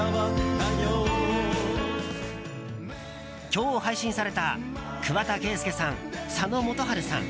今日配信された桑田佳祐さん、佐野元春さん